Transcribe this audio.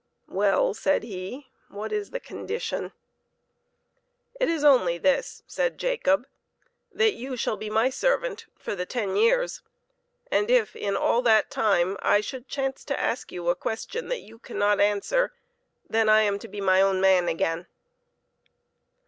" Well," said he, " what is the condition ?"" It is only this," said Jacob :" that you shall be my servant for the ten years, and if, in THE SKILLFUL HUNTSMAN. 3 all that time, I should chance to ask you a question that you cannot answer, then I am to be my own man again."